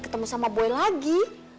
ketemu sama boy lagi